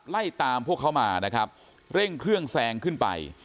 ไล่ตามพวกเขามานะครับเร่งเครื่องแซงขึ้นไป